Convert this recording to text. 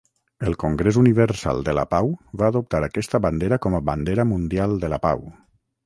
El Congrés Universal de la Pau va adoptar aquesta bandera com a bandera mundial de la pau.